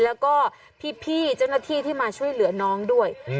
แล้วก็พี่เจ้าหน้าที่ที่มาช่วยเหลือน้องด้วย